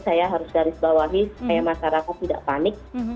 saya harus garis bawahi supaya masyarakat tidak panik